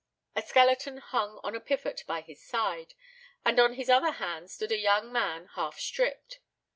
A skeleton hung on a pivot by his side, and on his other hand stood a young man half stripped.